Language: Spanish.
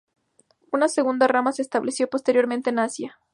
Una segunda rama se estableció posteriormente en Asia.